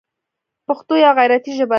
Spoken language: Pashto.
پښتو یوه غیرتي ژبه ده.